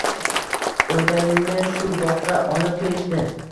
O’tgan yil shu boqqa olib kelishdi